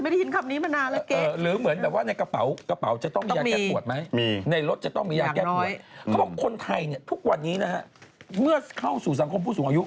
ทุกวันนี้เนี่ยเมื่อเข้าสู่สังคมผู้สูงอายุ